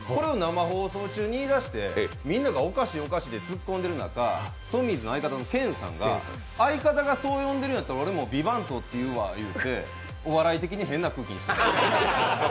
番組中に言い出して、みんながおかしい、おかしいって突っ込んでる中トミーズの相方の健さんが、相方がそう呼んでるなら俺もビバントって言うわって言うてお笑い的に変な雰囲気になりました。